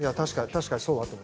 確かにそうだと思う。